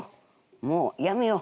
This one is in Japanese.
もうやめよう！」